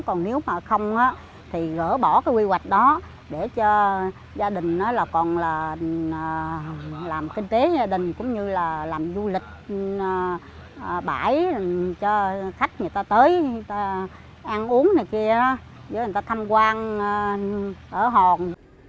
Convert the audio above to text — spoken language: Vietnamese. còn nếu mà không thì gỡ bỏ cái quy hoạch đó để cho gia đình còn làm kinh tế gia đình cũng như là làm du lịch bãi cho khách người ta tới người ta ăn uống này kia người ta thăm quan ở hòn